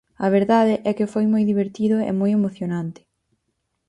A verdade é que foi moi divertido e moi emocionante.